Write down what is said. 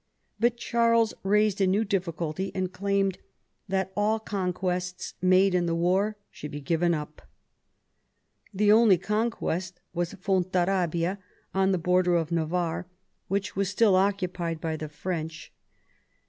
But Charles raised a new difficulty, and claimed that all conquests made in the war should be given up. The only con quest was Fontarabia, on the border of Navarre, which was still occupied by the French.